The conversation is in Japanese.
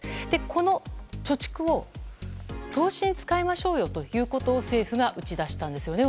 この貯蓄を投資に使いましょうよということを政府が打ち出したんですよね。